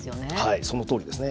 はい、そのとおりですね。